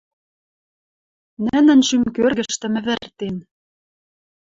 Нӹнӹн шӱм кӧргӹштӹм ӹвӹртен.